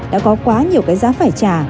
đã có quá nhiều cái giá phải trả